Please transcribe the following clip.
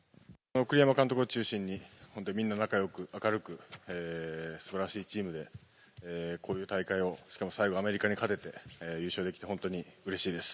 栗山監督を中心に、本当にみんな仲よく、明るく、すばらしいチームで、こういう大会を、しかも最後、アメリカに勝てて、優勝できて、本当にうれしいです。